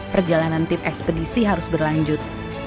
perjalanan tim ekspedisi harus berlanjut